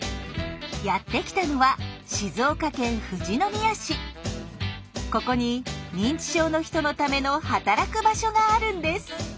やって来たのはここに認知症の人のための働く場所があるんです。